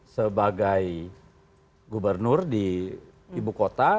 sebagai gubernur di ibu kota